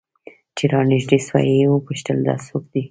چې رانژدې سوه ويې پوښتل دا څوك دى؟